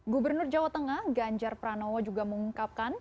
gubernur jawa tengah ganjar pranowo juga mengungkapkan